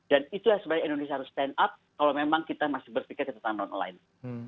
dan itu yang sebenarnya indonesia harus stand up kalau memang kita masih berpikir tentang non willing